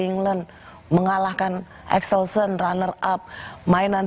menang itu bener enggak sih rasanya lebih long dibandingkan oh juara all england